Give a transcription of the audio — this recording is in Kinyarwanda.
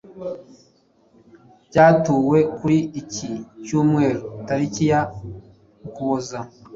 cyatuwe kuri iki Cyumweru tariki ya Ukuboza .